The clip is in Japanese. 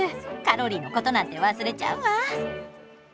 カロリーのことなんて忘れちゃうわ！